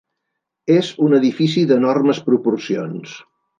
És un edifici d'enormes proporcions.